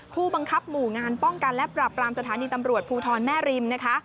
ผู้บังคับหมู่งานป้องกันและปรับปรามสถานีตำรวจภูทรแม่ริมนะคะ